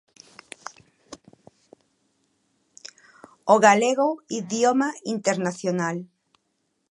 O galego, idioma internacional.